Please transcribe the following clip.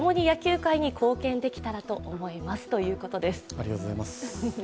ありがとうございます。